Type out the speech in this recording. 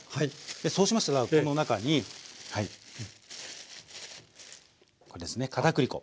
でそうしましたらこの中にこれですね片栗粉。